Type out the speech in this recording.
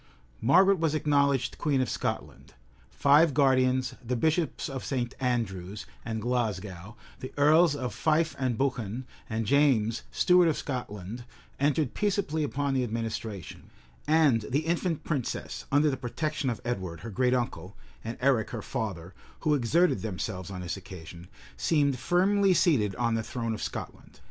Margaret was acknowledged queen of Scotland; five guardians, the bishops of St. Andrews and Glasgow, the earls of Fife and Buchan, and James, steward of Scotland, entered peaceably upon the administration; and the infant princess, under the protection of Edward, her great uncle, and Eric, her father, who exerted themselves on this occasion, seemed firmly seated on the throne of Scotland.